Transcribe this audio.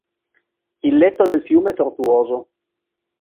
Il letto del fiume è tortuoso.